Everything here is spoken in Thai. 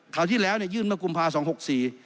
คราวที่แล้วเนี่ยยื่นมากุมภาคม๒๖๔